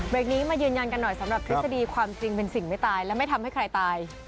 นี้มายืนยันกันหน่อยสำหรับทฤษฎีความจริงเป็นสิ่งไม่ตายและไม่ทำให้ใครตาย